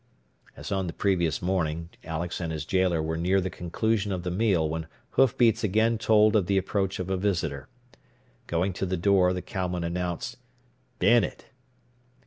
As on the previous morning, Alex and his jailer were near the conclusion of the meal when hoofbeats again told of the approach of a visitor. Going to the door, the cowman announced "Bennet."